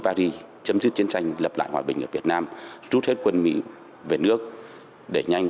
paris chấm dứt chiến tranh lập lại hòa bình ở việt nam rút hết quân mỹ về nước để nhanh